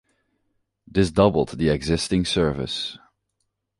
This doubled the existing service.